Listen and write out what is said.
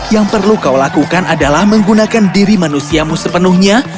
yang perlu kau lakukan adalah menggunakan diri manusiamu sepenuhnya